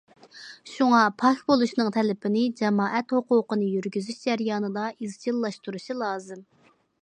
شۇڭا، پاك بولۇشنىڭ تەلىپىنى جامائەت ھوقۇقىنى يۈرگۈزۈش جەريانىدا ئىزچىللاشتۇرۇشى لازىم.